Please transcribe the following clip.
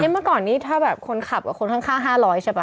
เมื่อก่อนนี้ถ้าแบบคนขับกับคนข้าง๕๐๐ใช่ป่